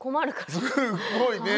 すごいね！